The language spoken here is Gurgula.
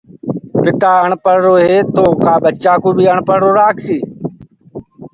پتآ اڻپڙهرو هي تو ڪآٻچآ ڪو بي آڻپڙهرو رآکسي